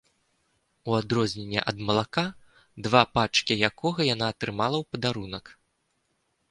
У адрозненне ад малака, два пачкі якога яна атрымала ў падарунак.